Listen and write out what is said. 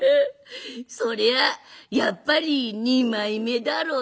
そりゃあやっぱり二枚目だろうねえ」。